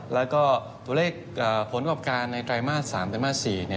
แล้วก็ตัวเลขผลประกอบการในไตรมาส๓ไตรมาส๔